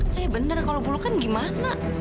saya bener kalau bulukan gimana